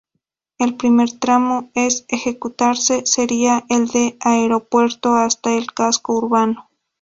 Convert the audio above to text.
El primer tramo en ejecutarse sería el del Aeropuerto hasta el casco urbano.